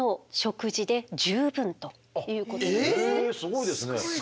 すごいですね。